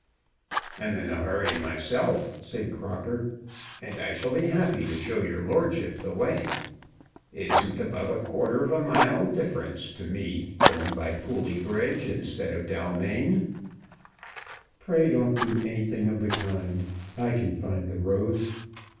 "I'm in a hurry myself," said Crocker, "and I shall be happy to show your lordship the way. It isn't above a quarter of a mile's difference to me going by Pooley Bridge instead of Dallmaine." "Pray don't do anything of the kind; I can find the road."